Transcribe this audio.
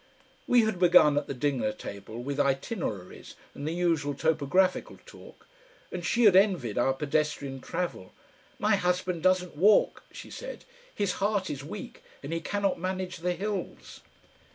We had begun at the dinner table with itineraries and the usual topographical talk, and she had envied our pedestrian travel. "My husband doesn't walk," she said. "His heart is weak and he cannot manage the hills."